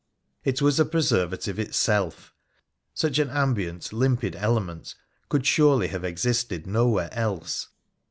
It was a preservative itself. Such an ambient, limpid element could surely have existed nowhere else.